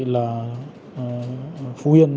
là phú yên